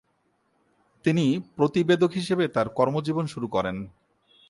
তিনি প্রতিবেদক হিসেবে তার কর্মজীবন শুরু করেন।